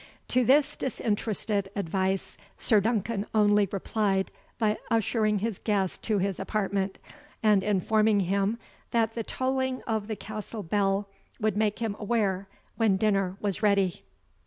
To this disinterested advice Sir Duncan only replied by ushering his guest to his apartment, and informing him that the tolling of the castle bell would make him aware when dinner was ready.